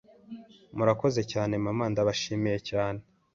Murakoze cyane Mama! Ndabashimiye cyane!”